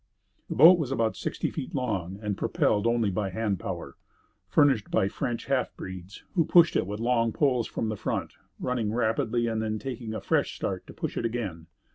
The boat was about sixty feet long and propelled only by hand power, furnished by French half breeds who pushed it with long poles from the front, running rapidly and then taking a fresh start to push it again.